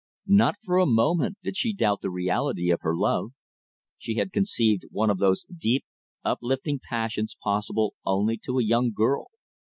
Not for a moment did she doubt the reality of her love. She had conceived one of those deep, uplifting passions possible only to a young girl.